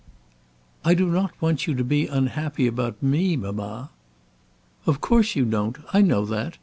"I don't want you to be unhappy about me, mamma." "Of course you don't. I know that.